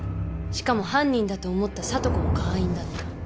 しかも犯人だと思った聡子も会員だった。